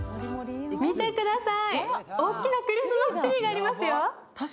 見てください、大きなクリスマスツリーがありますよ。